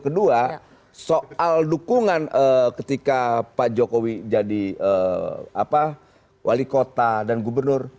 kedua soal dukungan ketika pak jokowi jadi wali kota dan gubernur